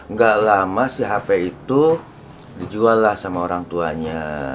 nggak lama si hp itu dijuallah sama orang tuanya